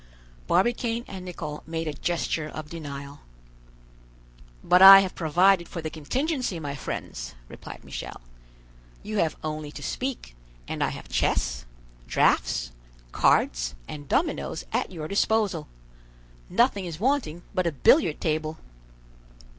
Barbicane and Nicholl made a gesture of denial. "But I have provided for the contingency, my friends," replied Michel; "you have only to speak, and I have chess, draughts, cards, and dominoes at your disposal; nothing is wanting but a billiard table."